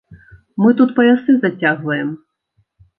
Мы тут паясы зацягваем.